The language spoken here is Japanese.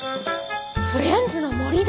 フレンズの森だ！